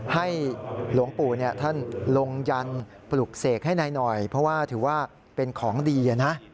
ให้หลวงปู่ท่านลงยันปลุกเสกให้นายหน่อยเพราะว่าถือว่าเป็นของดีนะ